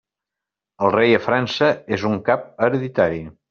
El rei, a França, és un cap hereditari.